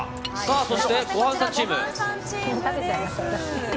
そして、ごはんさんチーム。